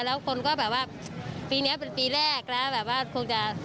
แล้วคนก็แบบว่าปีนี้เป็นปีแรกแล้วแบบว่าคงจะ